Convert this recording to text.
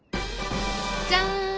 じゃん！